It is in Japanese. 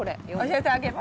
教えてあげる。